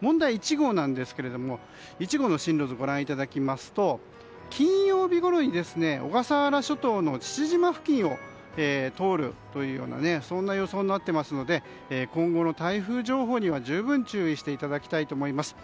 問題は１号なんですが１号の進路図をご覧いただきますと金曜日ごろに小笠原諸島の父島付近を通る予想になってますので今後の台風情報には十分、注意していただきたいと思います。